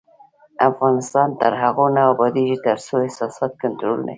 افغانستان تر هغو نه ابادیږي، ترڅو احساسات کنټرول نشي.